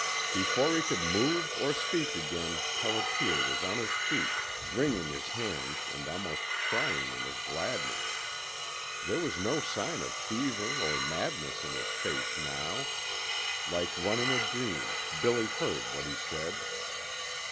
Before he could move or speak again Pelliter was on his feet, wringing his hands and almost crying in his gladness. There was no sign of fever or madness in his face now. Like one in a dream Billy heard what he said.